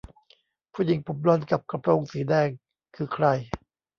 ผู้หญิงผมบลอนด์กับกระโปรงสีแดงคือใคร ?